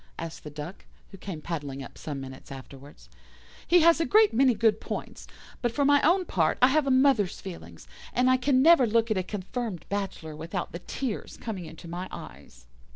asked the Duck, who came paddling up some minutes afterwards. "He has a great many good points, but for my own part I have a mother's feelings, and I can never look at a confirmed bachelor without the tears coming into my eyes."